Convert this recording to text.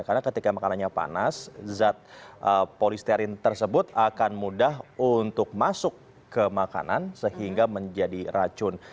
karena ketika makanannya panas zat polisterin tersebut akan mudah untuk masuk ke makanan sehingga menjadi racun